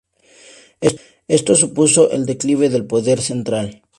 Esto supuso el declive del poder central.